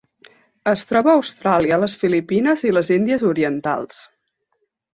Es troba a Austràlia les Filipines i les Índies Orientals.